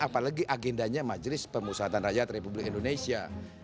apalagi agendanya majelis pemusatan rakyat republik indonesia